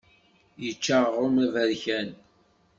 Yečča aɣrum aberkan.